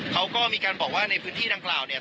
เขาก็มีการบอกว่าในพื้นที่ดังกล่าวเนี่ย